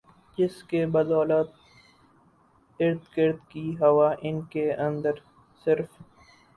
جس کی بدولت ارد گرد کی ہوا ان کے اندر صرف